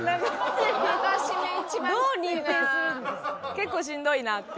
結構しんどいなっていう。